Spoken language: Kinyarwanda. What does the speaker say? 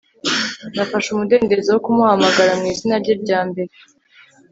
nafashe umudendezo wo kumuhamagara mwizina rye rya mbere